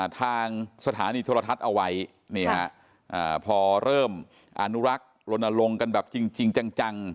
ทางสถานีโทรทัศน์เอาไว้พอเริ่มอนุรักษ์ลนลงกันแบบจริงจัง